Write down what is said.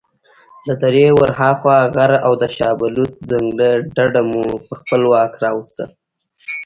له درې ورهاخوا غر او د شابلوط ځنګله ډډه مو په خپل واک راوسته.